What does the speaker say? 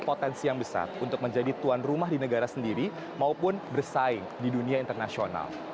potensi yang besar untuk menjadi tuan rumah di negara sendiri maupun bersaing di dunia internasional